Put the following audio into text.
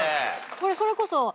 これそれこそ。